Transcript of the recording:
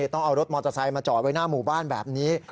ต้องเอารถมอเตอร์ไซค์มาจอดไว้หน้าหมู่บ้านแบบนี้